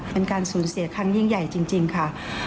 เป็นการสูญเสียครั้งยิ่งใหญ่จริงค่ะ